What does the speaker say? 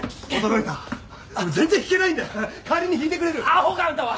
アホかあんたは！？